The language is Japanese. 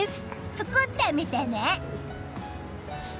作ってみてね！